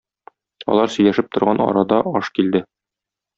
Алар сөйләшеп торган арада аш килде.